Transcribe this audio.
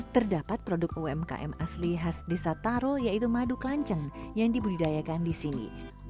terdapat produk umkm asli khas desa taro yaitu madu kelanceng yang dibudidayakan di sini